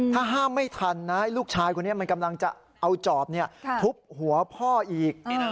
ถ้าห้ามไม่ทันนะลูกชายคนนี้มันกำลังจะเอาจอบทุบหัวพ่ออีก